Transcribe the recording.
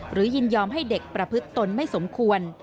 ยินยอมให้เด็กประพฤติตนไม่สมควร